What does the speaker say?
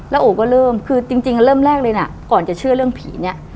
โอ๋ก็เริ่มคือจริงเริ่มแรกเลยนะก่อนจะเชื่อเรื่องผีเนี่ย